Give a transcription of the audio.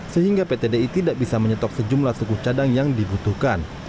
sehingga pt di tidak bisa menyetok sejumlah suku cadang yang dibutuhkan